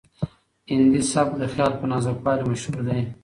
هندي سبک د خیال په نازکوالي مشهور دی.